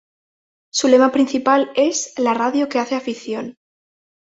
Su lema principal es: "La radio que hace afición".